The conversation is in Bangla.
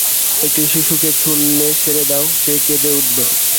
একটি শিশুকে শূন্যে ছুঁড়ে দাও, সে কেঁদে উঠবে।